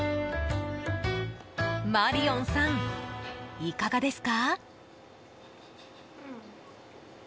マリオンさん、いかがですか？